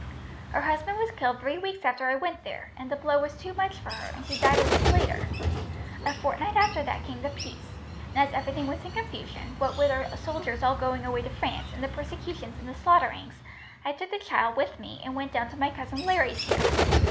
"Her husband was killed three weeks after I went there, and the blow was too much for her, and she died a week later. A fortnight after that came the peace, and as everything was in confusion, what wid our soldiers all going away to France, and the persecutions and slaughterings, I took the child with me and went down to my cousin Larry's here.